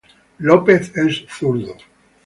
Brett es zurdo.